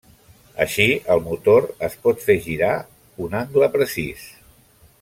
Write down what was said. Així el motor es pot fer girar un angle precís.